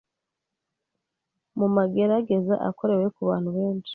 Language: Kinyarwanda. Mu magerageza akorewe ku bantu benshi,